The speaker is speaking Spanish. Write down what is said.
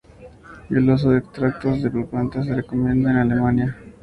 El uso de extractos de la planta se recomienda en Alemania.